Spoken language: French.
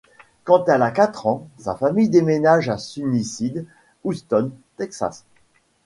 Quand elle a quatre ans, sa famille déménage à Sunnyside, Houston, Texas.